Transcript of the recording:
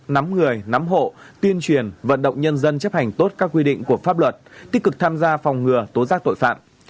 nắm người nắm hộ tuyên truyền vận động nhân dân chấp hành tốt các quy định của pháp luật tích cực tham gia phòng ngừa tố giác tội phạm